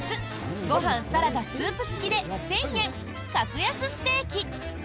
ご飯、サラダ、スープ付きで１０００円、格安ステーキ。